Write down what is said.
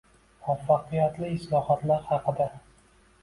Muvaffaqiyatli islohotlar haqida